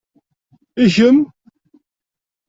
I kemm?